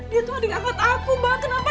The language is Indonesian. dia tuh adik angkat aku mbak kenapa